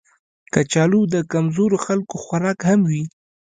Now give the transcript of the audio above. کچالو د کمزورو خلکو خوراک هم وي